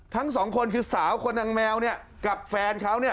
ทั้งสองคนคือสาวคนนางแมวกับแฟนเขา